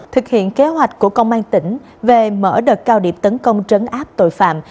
thực hiện kế hoạch của công an tỉnh về mở đợt cao điểm tấn công trấn áp tội phạm